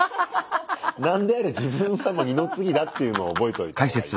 何であれ自分は二の次だっていうのを覚えといたほうがいいね。